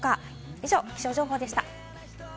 以上、気象情報でした。